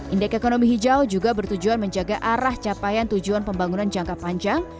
indeks ekonomi hijau juga bertujuan menjaga arah capaian tujuan pembangunan jangka panjang